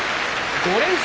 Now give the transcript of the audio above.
５連勝。